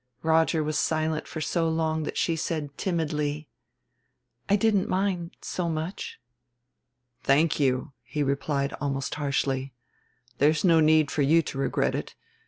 Roger was silent for so long that she said, timidly: "I didn't mind, so much." "Thank you," he replied almost harshly. "There's no need for you to regret it.